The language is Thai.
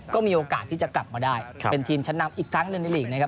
ก็มีโอกาสที่จะกลับมาได้เป็นทีมชั้นนำอีกครั้งหนึ่งในลีกนะครับ